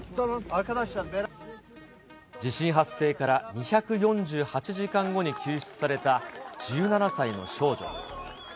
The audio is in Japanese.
地震発生から２４８時間後に救出された１７歳の少女。